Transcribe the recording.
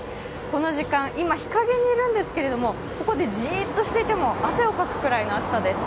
この時間、今、日陰にいるんですけど、ここでじっとしていても汗をかくくらいの暑さです。